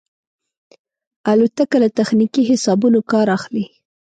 الوتکه له تخنیکي حسابونو کار اخلي.